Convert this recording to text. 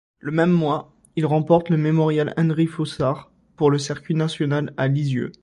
Le même mois, il remporte le Mémorial Henri-Foussard pour le circuit national à Lisieux.